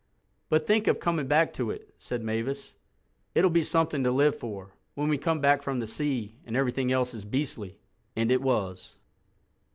"But think of coming back to it," said Mavis: "it'll be something to live for, when we come back from the sea and everything else is beastly." And it was.